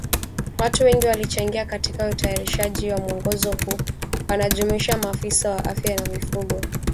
Watu wengi walichangia katika utayarishaji wa mwongozo huu wanajumuisha maafisa wa afya ya mifugo